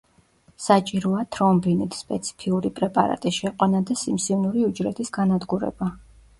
საჭიროა თრომბინით სპეციფიური პრეპარატის შეყვანა და სიმსივნური უჯრედის განადგურება.